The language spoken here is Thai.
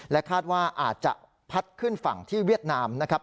คาดว่าอาจจะพัดขึ้นฝั่งที่เวียดนามนะครับ